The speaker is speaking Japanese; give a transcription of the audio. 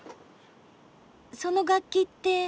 その楽器って。